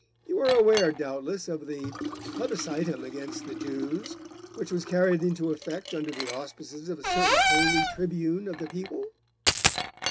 You are aware, doubtless, of the Plebiscitum against the Jews, which was carried into effect under the auspices of a certain holy tribune of the people?